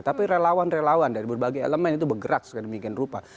tapi relawan relawan dari berbagai elemen itu bergerak sedemikian rupa